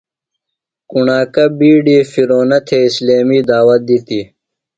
کُݨاکہ بڈیۡ فرعونہ تھےۡ اِسلیمی دعوت دِتیۡ۔